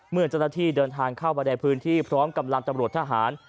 เมื่อเจ้าหน้าที่เดินทางเข้าไปในพื้นที่พร้อมกำลังตำรวจทหาร